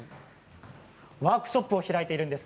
ワークショップを開いているんです。